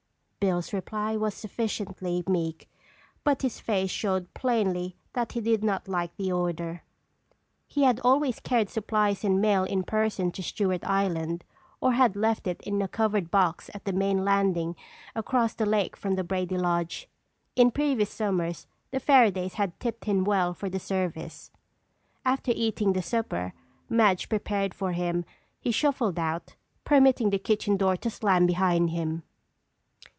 Bill's reply was sufficiently meek but his face showed plainly that he did not like the order. He had always carried supplies and mail in person to Stewart Island or had left it in a covered box at the main landing across the lake from the Brady lodge. In previous summers, the Fairadays had tipped him well for the service. After eating the supper Madge prepared for him, he shuffled out, permitting the kitchen door to slam behind him.